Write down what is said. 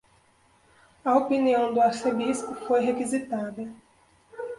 A opinião do arcebispo foi requisitada